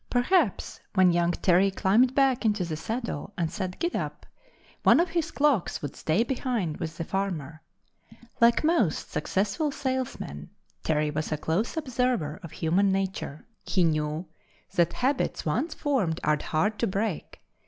Perhaps when young Terry climbed back into the saddle and said "Gid dap," one of his clocks would stay behind with the farmer. Like most successful salesmen, Terry was a close observer of human nature; he knew that habits once formed are hard to break.